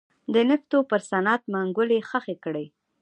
د نفتو پر صنعت منګولې خښې کړې دي.